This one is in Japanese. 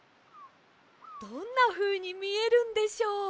どんなふうにみえるんでしょう？